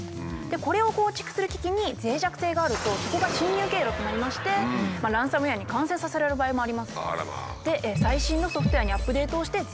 これを構築する機器にぜい弱性があるとそこが侵入経路となりましてランサムウエアに感染させられる場合もあります。